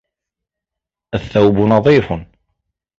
الثَّوْبُ نَظِيفٌ.